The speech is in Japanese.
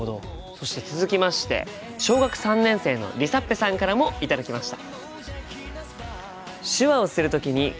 そして続きまして小学３年生のりさっぺさんからも頂きました。